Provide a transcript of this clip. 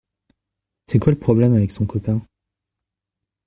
C’est quoi, le problème, avec son copain ?